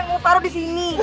gue bayang mau taruh di sini